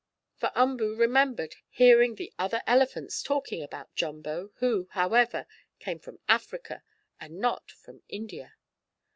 For Umboo remembered hearing the other elephants talking about Jumbo, who, however, came from Africa and not from India.